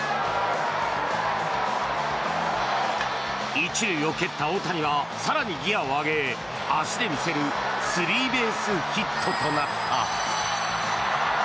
１塁を蹴った大谷は更にギアを上げ足で見せるスリーベースヒットとなった。